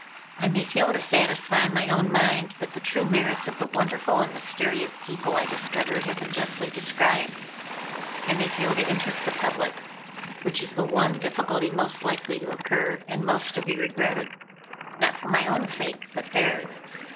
I may fail to satisfy my own mind that the true merits of the wonderful and mysterious people I discovered, have been justly described. I may fail to interest the public; which is the one difficulty most likely to occur, and most to be regretted not for my own sake, but theirs.